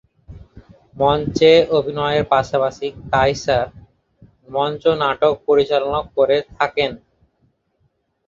মঞ্চে অভিনয়ের পাশাপাশি কায়সার মঞ্চনাটক পরিচালনাও করে থাকেন।